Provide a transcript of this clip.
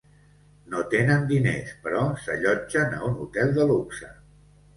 No tenen diners, però s'allotgen a un hotel de luxe.